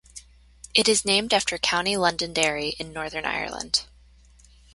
It is named after County Londonderry in Northern Ireland.